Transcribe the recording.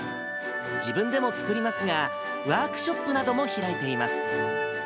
自分でも作りますが、ワークショップなども開いています。